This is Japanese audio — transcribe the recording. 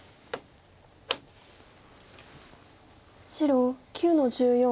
白９の十四。